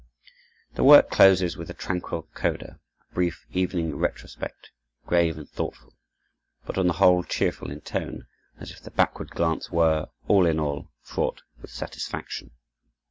The work closes with a tranquil coda, a brief evening retrospect, grave and thoughtful; but, on the whole, cheerful in tone, as if the backward glance were, all in all, fraught with satisfaction.